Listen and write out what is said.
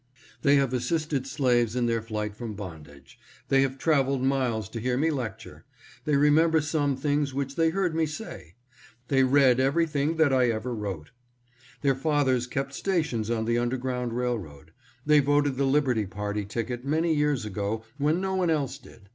" They have assisted slaves in their flight from bond age." " They have traveled miles to hear me lecture.'' " They remember some things which they heard me say." " They read everything that I ever wrote." " Their fathers kept stations on the underground rail road." " They voted the Liberty party ticket many years ago, when no one else did."